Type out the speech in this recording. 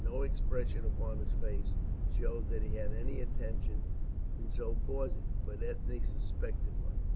No expression upon his face showed that he had any intention in so pausing, but Ethne suspected one.